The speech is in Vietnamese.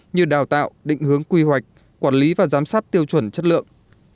như đào tạo định hướng quy hoạch quản lý và giám sát tiêu chuẩn chất lượng